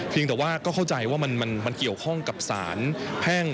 แต่ว่าก็เข้าใจว่ามันเกี่ยวข้องกับสารแพ่ง